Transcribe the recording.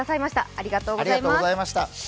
ありがとうございます。